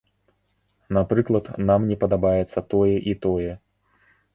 Напрыклад, нам не падабаецца тое і тое.